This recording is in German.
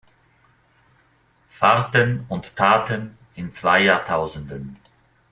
Fahrten und Taten in zwei Jahrtausenden".